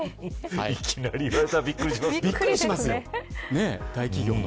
いきなり言われたらびっくりしますね。